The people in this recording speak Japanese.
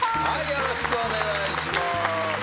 よろしくお願いします。